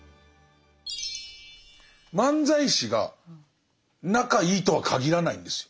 漫才師が仲いいとはかぎらないんですよ。